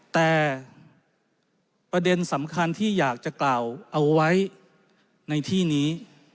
แต่ประเด็นสำคัญที่อยากจะกล่าวเอาไว้ในที่นี้